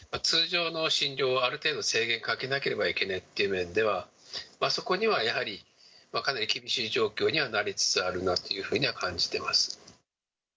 通常の診療をある程度、制限かけなければいけないという面では、そこにはやはり、かなり厳しい状況にはなりつつあるなというふうには感じてます。